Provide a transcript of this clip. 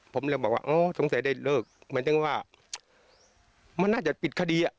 ผมเลยบอกว่าอ๋อสงสัยได้เลิกหมายถึงว่ามันน่าจะปิดคดีอ่ะ